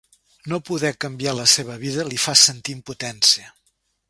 No poder canviar la seva vida li fa sentir impotència.